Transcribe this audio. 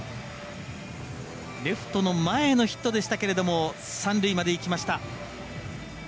レフトの前のヒットでしたけれども三塁まで行きました。